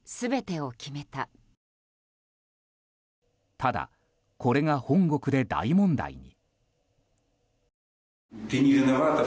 ただ、これが本国で大問題に。